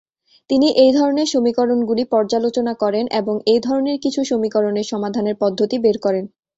তিনি এই ধরনের সমীকরণগুলি পর্যালোচনা করেন এবং এ ধরনের কিছু সমীকরণের সমাধানের পদ্ধতি বের করেন।